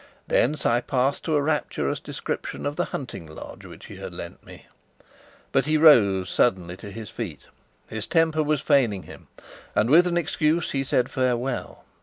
Thence I passed to a rapturous description of the hunting lodge which he had lent me. But he rose suddenly to his feet. His temper was failing him, and, with an excuse, he said farewell.